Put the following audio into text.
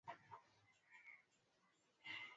Mwanamke aweka historia Mlima Kilimanjaro